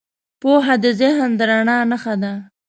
پوهه د ذهن د رڼا نښه ده.